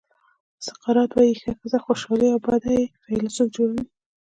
سقراط وایي ښه ښځه خوشالي او بده یې فیلسوف جوړوي.